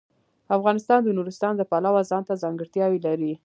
افغانستان د نورستان د پلوه ځانته ځانګړتیا لري.